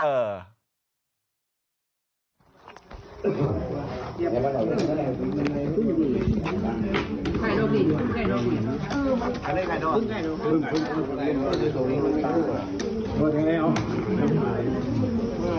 เออ